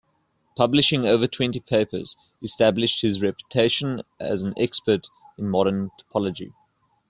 Publishing over twenty papers established his reputation as an "expert in modern topology".